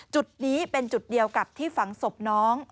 จุดนี้เป็นจุดเดียวกับที่ฝังศพน้อง